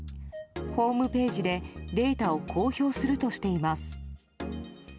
ホームページでデータを公表するとしています。